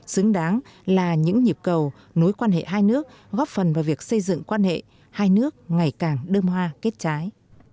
xứng đáng là những nhịp cầu mối quan hệ hai nước góp phần vào việc xây dựng quan hệ hai nước ngày càng đơm hoa kết trái